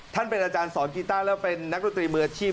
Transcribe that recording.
เป็นอาจารย์สอนกีต้าแล้วเป็นนักดนตรีมืออาชีพ